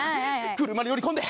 車に乗り込んで。